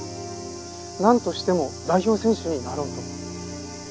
なんとしても代表選手になろうと。